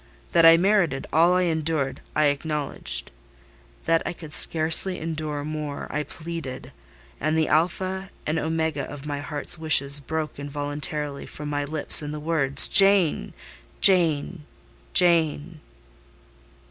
That I merited all I endured, I acknowledged—that I could scarcely endure more, I pleaded; and the alpha and omega of my heart's wishes broke involuntarily from my lips in the words—'Jane! Jane! Jane!